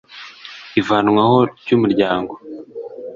ivanwaho ry’umuryango